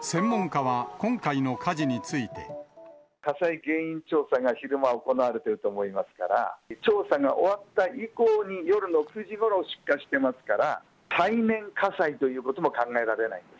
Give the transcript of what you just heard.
専門家は、火災原因調査が昼間、行われていると思いますから、調査が終わった以降に、夜の９時ごろ、出火してますから、再燃火災ということも考えられないです。